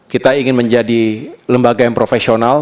kita ingin menjadi lembaga yang profesional